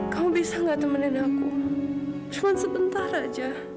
kamu bisa temanin aku sebentar saja